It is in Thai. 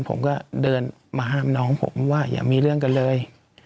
ผมก็เดินมาห้ามน้องผมว่าอย่ามีเรื่องกันเลย